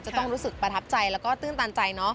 จะต้องรู้สึกประทับใจแล้วก็ตื้นตันใจเนาะ